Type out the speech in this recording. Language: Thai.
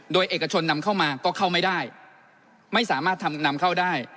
โดยเอกชนนำเข้ามาก็เข้าไม่ได้ไม่สามารถทำนำเข้าได้